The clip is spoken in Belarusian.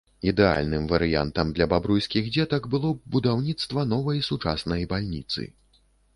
Ідэальным варыянтам для бабруйскіх дзетак было б будаўніцтва новай, сучаснай бальніцы.